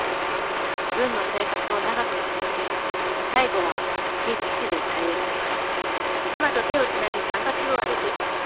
軍の生活を長く続け最後は厚木基地で退役した。